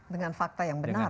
dengan fakta yang benar